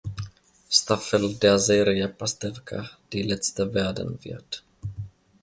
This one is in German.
Staffel der Serie Pastewka die letzte werden wird.